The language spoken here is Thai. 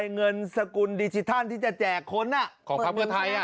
เงินสกุลดิจิทัลที่จะแจกคนของพักเพื่อไทย